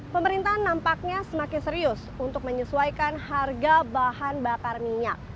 pemerintah nampaknya semakin serius untuk menyesuaikan harga bahan bakar minyak